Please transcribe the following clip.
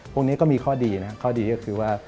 พวกนี้ก็มีข้อดีนะครับข้อดีก็คือว่า